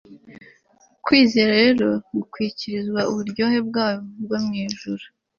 kwizera rero gukwirakwiza uburyohe bwayo bwo mwijuru